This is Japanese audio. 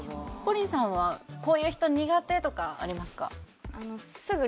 ＰＯＲＩＮさんはこういう人苦手とかありますか？